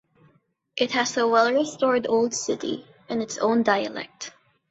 It has a well restored old city, and its own dialect.